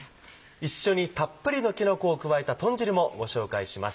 一緒にたっぷりのきのこを加えた豚汁もご紹介します。